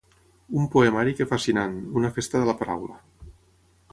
Un poemari que fascinant, una festa de la paraula.